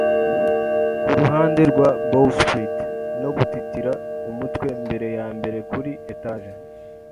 kuruhande rwa bowsprit, no gutitira umutwe mbere yambere kuri etage.